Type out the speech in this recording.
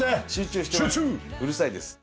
うるさいです。